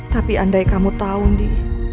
tapi andai kamu tahu